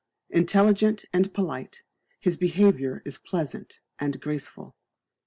Intelligent and polite, his behaviour is pleasant and graceful.